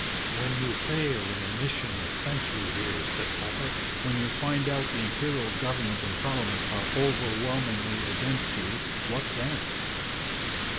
'When you fail in the mission that brought you here,' said Tupper; 'when you find out the Imperial government and parliament are overwhelmingly against you what then?'